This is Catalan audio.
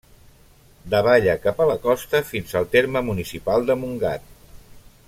Davalla cap a la costa fins al terme municipal de Montgat.